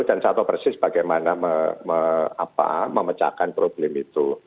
saya tahu persis bagaimana memecahkan problem itu